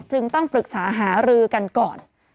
จึงต้องปรึกษาหารือกันก่อน